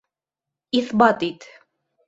— Иҫбат ит.